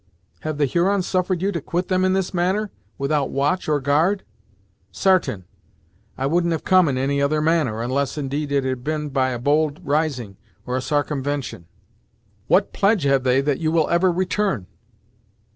"Have the Hurons suffered you to quit them in this manner, without watch or guard." "Sartain I woul'n't have come in any other manner, unless indeed it had been by a bold rising, or a sarcumvention." "What pledge have they that you will ever return?"